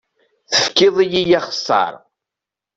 Tefkiḍ-iyi axessaṛ.